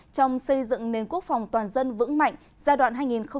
trong xây dựng nền quốc phòng toàn dân vững mạnh giai đoạn hai nghìn chín hai nghìn một mươi chín